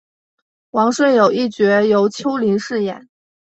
王顺友一角由邱林饰演。